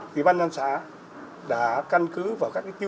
tuy nhiên những chính sách quan tâm tới đời sống các nghệ nhân